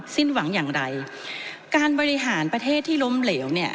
สิ้นหวังอย่างไรการบริหารประเทศที่ล้มเหลวเนี่ย